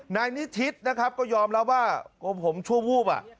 นายนิทิศนะครับก็ยอมแล้วว่าผมช่วงวูบอ่ะ